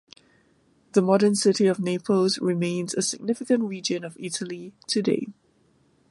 The modern city of Naples remains a significant region of Italy, today.